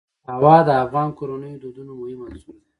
هوا د افغان کورنیو د دودونو مهم عنصر دی.